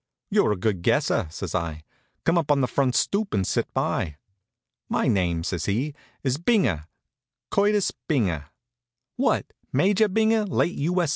"You're a good guesser," says I. "Come up on the front stoop and sit by." "My name," says he, "is Binger, Curtis Binger." "What, Major Binger, late U. S.